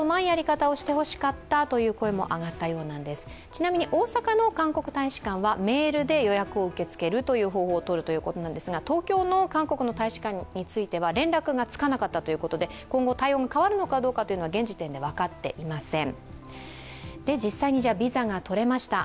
ちなみに、大阪の韓国大使館はメールで予約を受け付けるという方法をどるということなんですが、東京の韓国大使館については連絡がつかなかったということで今後、対応が変わるのかどうかは現時点で分かっていません。